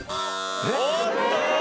おっと？